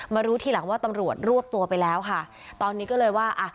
รู้ทีหลังว่าตำรวจรวบตัวไปแล้วค่ะตอนนี้ก็เลยว่าอ่ะ